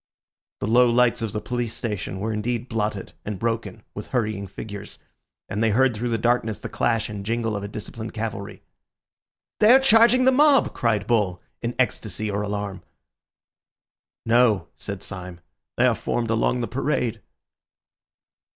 The low lights of the police station were indeed blotted and broken with hurrying figures, and they heard through the darkness the clash and jingle of a disciplined cavalry. "They are charging the mob!" cried Bull in ecstacy or alarm. "No," said Syme, "they are formed along the parade."